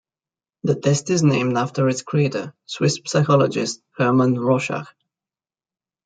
The test is named after its creator, Swiss psychologist Hermann Rorschach.